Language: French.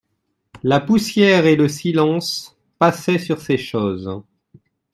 La poussière et le silence passaient sur ces choses.